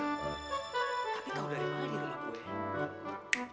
tapi tau dari mana ini rumah gue